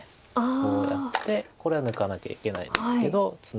こうやってこれは抜かなきゃいけないんですけどツナいでて。